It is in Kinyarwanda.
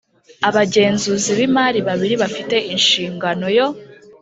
abagenzuzi b imari babiri bafite inshingano yo